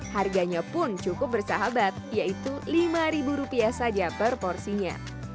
harganya pun cukup bersahabat yaitu rp lima saja per porsinya